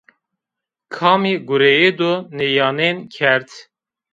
Kamî gureyêdo nîyanên kerd?